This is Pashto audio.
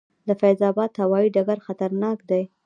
د فیض اباد هوايي ډګر خطرناک دی؟